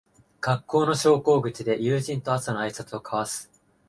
学校の昇降口で友人と朝のあいさつを交わす